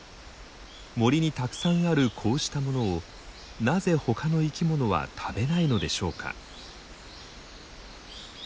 森にたくさんあるこうしたものをなぜ他の生き物は食べないのでしょうか？